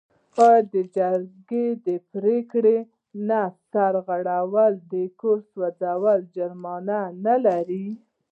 آیا د جرګې د پریکړې نه سرغړونه د کور سوځول جریمه نلري؟